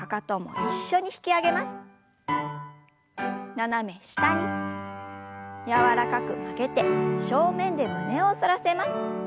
斜め下に柔らかく曲げて正面で胸を反らせます。